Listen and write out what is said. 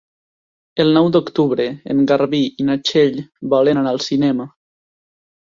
El nou d'octubre en Garbí i na Txell volen anar al cinema.